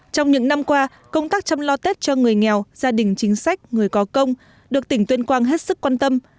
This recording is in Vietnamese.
trong những năm qua công tác chăm lo tết cho người nghèo gia đình chính sách người có công được tỉnh tuyên quang hết sức quan tâm